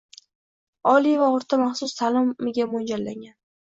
oliy va o`rta maxsus ta'limga mo'ljallangan